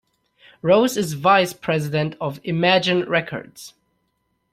Rose is vice president of Imagen Records.